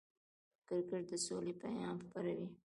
کرکټ د سولې پیغام خپروي.